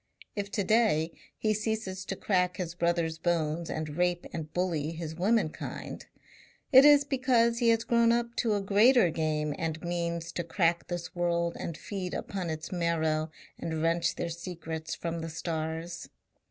If to day he ceases to crack his brother's bones and rape and bully his womenkind, it is because he has grown up to a greater game and means to crack this world and feed upon its marrow and wrench their secrets from the stars.